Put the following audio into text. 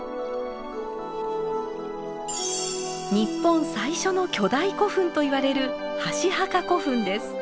日本最初の巨大古墳といわれる箸墓古墳です。